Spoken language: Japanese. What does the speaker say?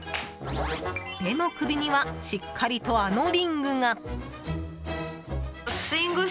でも、首にはしっかりとあのリングが。